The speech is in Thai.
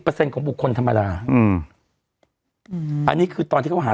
เปอร์เซ็นต์ของบุคคลธรรมดาอืมอืมอันนี้คือตอนที่เขาหา